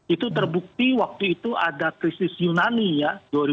itu terbukti waktu itu ada krisis yunani ya